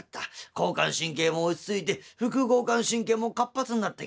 交感神経も落ち着いて副交感神経も活発になってきた。